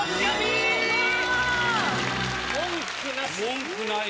文句なし。